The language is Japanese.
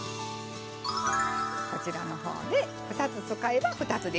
こちらのほうで２つ使えば２つできます。